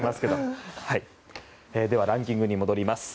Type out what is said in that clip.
ランキングに戻ります。